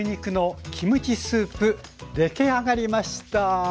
出来上がりました。